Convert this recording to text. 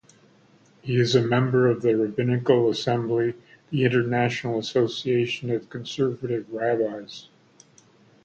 He is a member of the Rabbinical Assembly, the international association of Conservative rabbis.